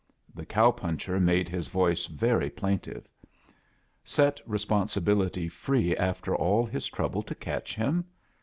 The cow puncher made hia vdce very plaintive. Set Responsibility free after all his trouble to catch him?